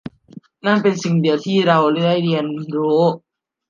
นั่นเป็นสิ่งเดียวที่เราได้เรียนรู้